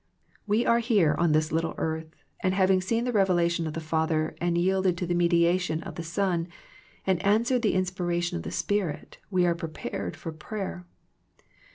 We are here on this little earth, and having seen the revelation of the Father and yielded to the mediation of the Son, and answered the inspiration of the Spirit we are prepared for prayer.